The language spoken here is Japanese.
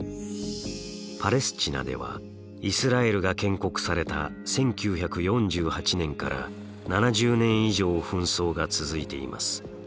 パレスチナではイスラエルが建国された１９４８年から７０年以上紛争が続いています。